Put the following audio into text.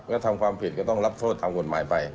ก็ทำความผิดก็ต้องรับโทษตามกฎหมายไป